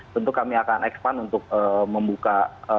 tentu kami akan ekspan untuk membuka